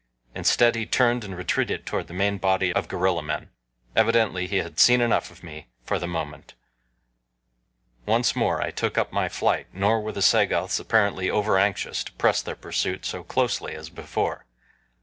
Instead, he turned and retreated toward the main body of gorilla men. Evidently he had seen enough of me for the moment. Once more I took up my flight, nor were the Sagoths apparently overanxious to press their pursuit so closely as before.